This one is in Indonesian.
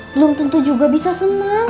belum tentu juga bisa senang